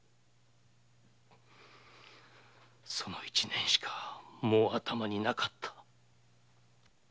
その一念しかもう頭になかった。